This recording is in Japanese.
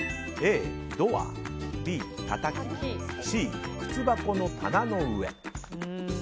Ａ、ドアＢ、たたきＣ、靴箱の棚の上。